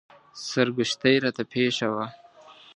سرګښتۍ راته پېښه وه.